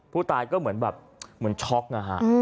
ผู้ตายก็เหมือนแบบเหมือนช็อกนะฮะ